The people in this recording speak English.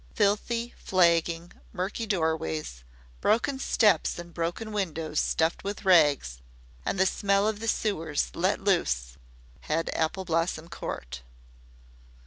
Filthy flagging, murky doorways, broken steps and broken windows stuffed with rags, and the smell of the sewers let loose had Apple Blossom Court.